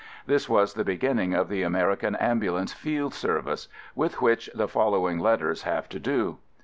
This was the beginning of the American Ambu lance Field Service with which the follow ing letters have to do.